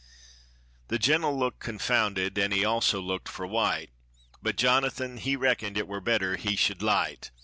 The gener'l looked confounded, an' he also looked for White, But Johnathin he reckon'd it war better he should lite.